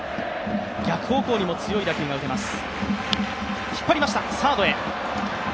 逆方向にも強い打球が打てます。